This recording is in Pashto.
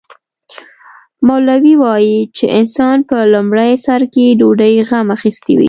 مولوي وايي چې انسان په لومړي سر کې ډوډۍ غم اخیستی وي.